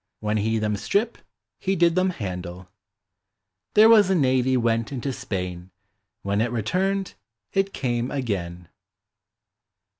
When he them strip, he did them handle. There was a navy went into Spain, When it returned, it came again.